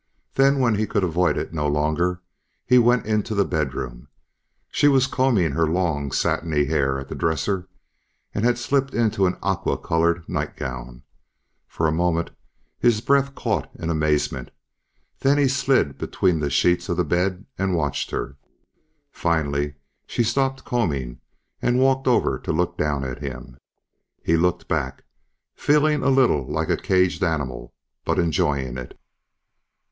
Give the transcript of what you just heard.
Then when he could avoid it no longer, he went into the bedroom. She was combing her long satiny hair at the dresser and had slipped into an aqua colored nightgown. For a moment, his breath caught in amazement, then he slid between the sheets of the bed and watched her. Finally she stopped combing and walked over to look down at him. He looked back, feeling a little like a caged animal but enjoying it.